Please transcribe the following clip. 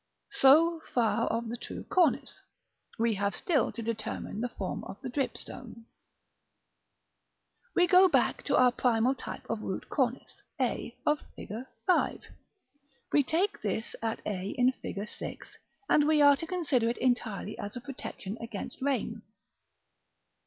§ IX. So far of the true cornice: we have still to determine the form of the dripstone. [Illustration: Fig. VI.] We go back to our primal type or root of cornice, a of Fig. V. We take this at a in Fig. VI., and we are to consider it entirely as a protection against rain.